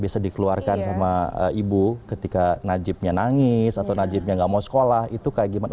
bisa dikeluarkan sama ibu ketika najibnya nangis atau najibnya nggak mau sekolah itu kayak gimana